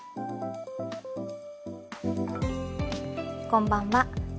こんばんは。